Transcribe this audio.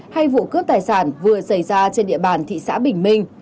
hay vụ cướp tài sản vừa xảy ra trên địa bàn thị xã bình minh